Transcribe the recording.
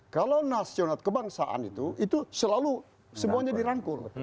kalau nasional kebangsaan itu itu selalu semuanya dirangkul